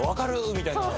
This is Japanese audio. みたいな。